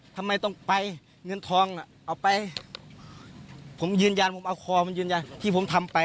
ทำไมต้องไปเงินทองน่ะเอาไปผมยืนยันผมเอาคอมันยืนยันที่ผมทำไป